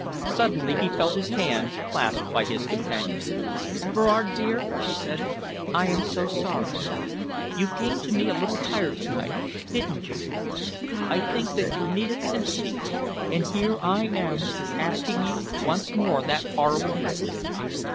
Suddenly he felt his hands clasped by his companion's. "Everard dear," she said, "I am so sorry. You came to me a little tired to night, didn't you? I think that you needed sympathy, and here I am asking you once more that horrible question.